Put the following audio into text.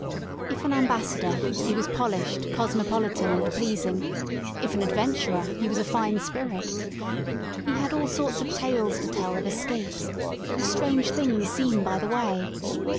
If an ambassador, he was polished, cosmopolitan, and pleasing; if an ad^ venturer, he was a fine spirit* He had all sorts of tales to tell of escapes, of strange things seen by the way.